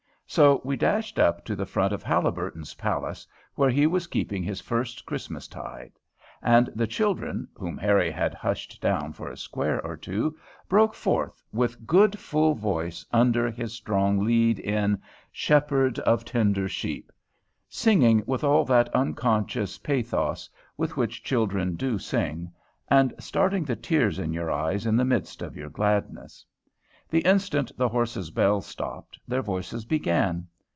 So we dashed up to the front of Haliburton's palace, where he was keeping his first Christmas tide. And the children, whom Harry had hushed down for a square or two, broke forth with good full voice under his strong lead in "Shepherd of tender sheep," singing with all that unconscious pathos with which children do sing, and starting the tears in your eyes in the midst of your gladness. The instant the horses' bells stopped, their voices began.